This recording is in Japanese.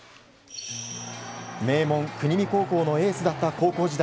名門国見高校のエースだった高校時代。